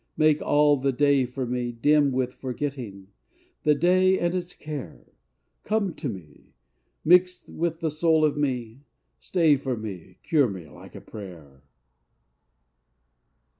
make all the day for me Dim with forgetting! the day and its care! Come to me! Mix with the soul of me! Stay for me, Cure me like prayer!